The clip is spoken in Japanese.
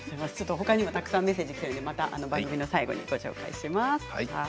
ほかにもたくさんメッセージがきているのでまた番組の最後にご紹介します。